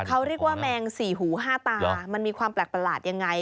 เขาเรียกว่าแมงสี่หูห้าตามันมีความแปลกประหลาดยังไง